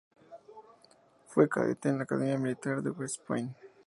Fue cadete en la academia militar de West Point.